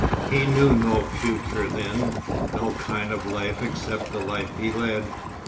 He knew no future then, no kind of life except the life he led.